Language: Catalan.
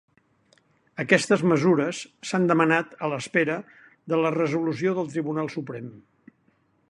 Aquestes mesures s’han demanat a l’espera de la resolució del Tribunal Suprem.